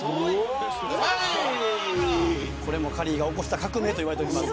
これもカリーが起こした革命と言われています。